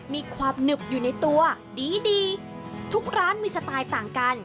มีความหนึบอยู่ในตัวดีดีทุกร้านมีสไตล์ต่างกัน